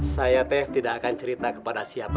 saya teh tidak akan cerita kepada siapa